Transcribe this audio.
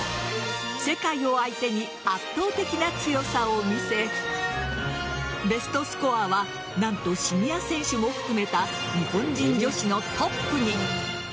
世界を相手に圧倒的な強さを見せベストスコアは何とシニア選手も含めた日本人女子のトップに。